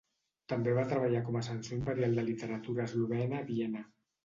També va treballar com a censor imperial de literatura eslovena a Viena.